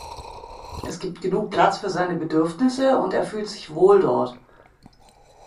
Es gibt genug Platz für seine Bedürfnisse und er fühlt sich wohl dort.